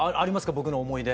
僕の思い出。